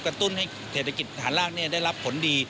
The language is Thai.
ตุ้นให้เศรษฐกิจฐานรากได้รับผลดี